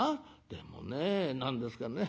でもね何ですかね